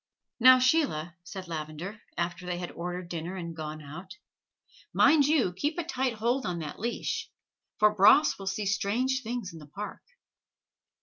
"Now, Sheila," said Lavender, after they had ordered dinner and gone out, "mind you keep a tight hold on that leash, for Bras will see strange things in the Park."